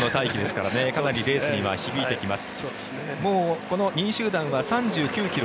かなりレースには響いてきます。